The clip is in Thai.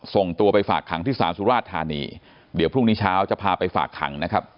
ส่งตัวไปฝากขังที่ศาลสุราชธานีเดี๋ยวพรุ่งนี้เช้าจะพาไปฝากขังนะครับ